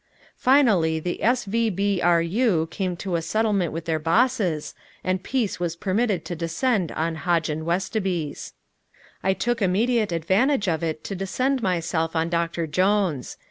Finally the S.V.B.R.U. came to a settlement with their bosses, and peace was permitted to descend on Hodge & Westoby's. I took immediate advantage of it to descend myself on Doctor Jones.